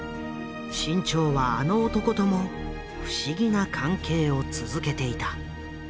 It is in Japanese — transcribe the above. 志ん朝はあの男とも不思議な関係を続けていた。